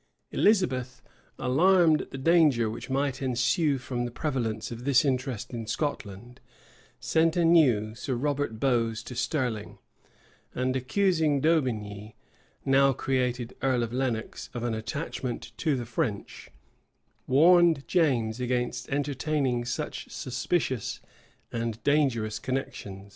[*] Elizabeth, alarmed at the danger which might ensue from the prevalence of this interest in Scotland, sent anew Sir Robert Bowes to Stirling; and accusing D'Aubigney, now created earl of Lenox, of an attachment to the French, warned James against entertaining such suspicious and dangerous connections.